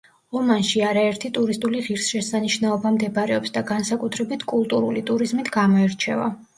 ომანში არაერთი ტურისტული ღირსშესანიშნაობა მდებარეობს და განსაკუთრებით კულტურული ტურიზმით გამოირჩევა.